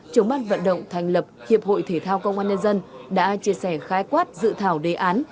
chống bắt vận động thành lập hiệp hội thể thao công an nhân dân đã chia sẻ khai quát dự thảo đề án